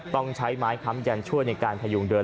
ต้องใช้ไม้ค้ำยันช่วยในการพยุงเดิน